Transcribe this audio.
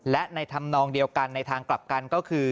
และในธรรมนองเดียวกันในทางกลับกันก็คือ